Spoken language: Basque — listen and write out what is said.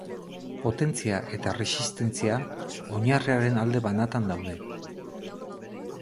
Potentzia eta erresistentzia oinarriaren alde banatan daude.